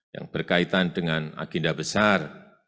yang berkaitan dengan agenda besar